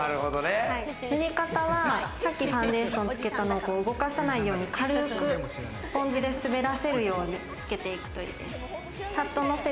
塗り方はさっきファンデーションつけたのを動かさないように軽くスポンジで滑らせるようにつけていくというイメージです。